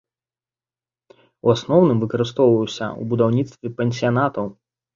У асноўным выкарыстоўваўся ў будаўніцтве пансіянатаў.